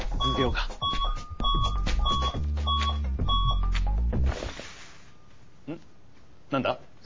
うん？何だ？